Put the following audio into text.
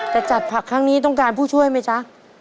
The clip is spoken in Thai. จะจัดผักครั้งนี้ต้องการผู้ช่วยไหมจ๊ะ